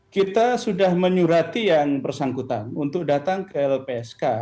kita sudah menyurati yang bersangkutan untuk datang ke lpsk